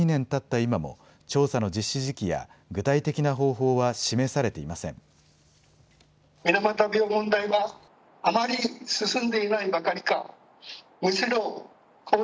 今も調査の実施時期や具体的な方法は示されていません。